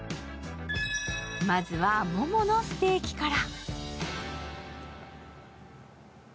まずは、もものステーキから。